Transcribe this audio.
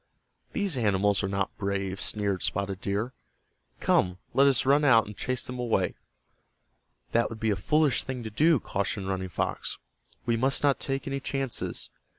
"These animals are not brave," sneered Spotted Deer. "Come, let us run out and chase them away." "That would be a foolish thing to do," cautioned Running Fox. "We must not take any chances.